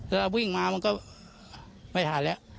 แล้ววิ่งมามันก็ไม่ทันแล้ว